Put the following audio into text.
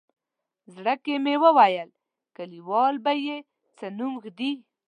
زړه کې مې ویل کلیوال به یې څه نوم کېږدي.